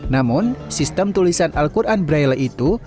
namun sistem tulisan al quran braille itu